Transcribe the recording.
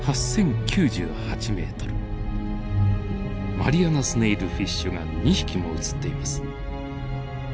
マリアナスネイルフィッシュが２匹も映っています。